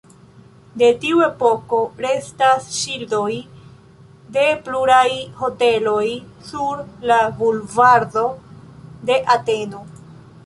De tiu epoko restas ŝildoj de pluraj hoteloj sur la bulvardo de Ateno.